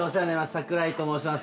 櫻井と申します